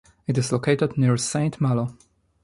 It is located near Saint-Malo.